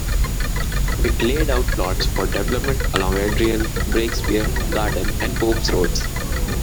It laid out plots for development along Adrian, Breakspear, Garden and Popes roads.